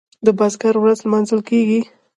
د بزګر ورځ لمانځل کیږي.